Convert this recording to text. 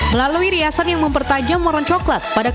melalui riasan yang mempertajam warna coklat pada kelopak mata